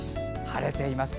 晴れています。